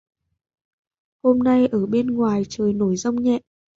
Hôm này ở bên ngoài trời nổi giông nhẹ